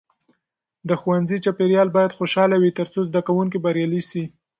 د ښوونځي چاپیریال باید خوشحاله وي ترڅو زده کوونکي بریالي سي.